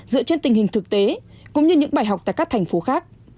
dựa trên tình hình thực tế cũng như những bài học tại các thành phố khác